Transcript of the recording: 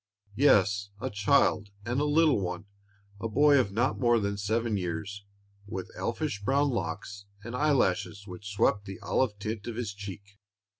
Yes, a child, and a little one a boy of not more than seven years, with elfish brown locks, and eyelashes which swept the olive tint of his cheek.